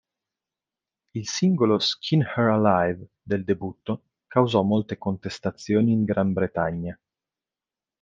Il singolo "Skin Her Alive" del debutto causò molte contestazioni in Gran Bretagna.